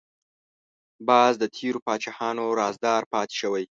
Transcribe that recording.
باز د تیرو پاچاهانو رازدار پاتې شوی